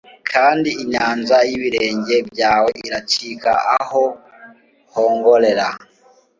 kandi inyanja y'ibirenge byawe iracika aho hongorera